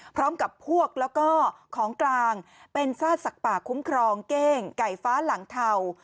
พร้อมกับพวกแล้วก็ของกลางเป็นซากสัตว์ป่าคุ้มครองเก้งไก่ฟ้าหลังเทา